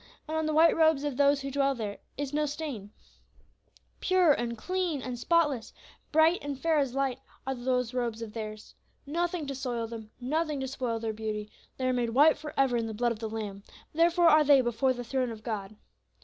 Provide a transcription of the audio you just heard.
And on the white robes of those who dwell there is no stain; pure and clean and spotless, bright and fair as light, are those robes of theirs. Nothing to soil them, nothing to spoil their beauty, they are made white for ever in the blood of the Lamb; therefore are they before the throne of God.